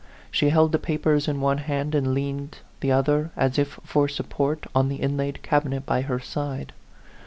She held the papers in one hand, and leaned the other, as if for support, on the inlaid cabinet by her side.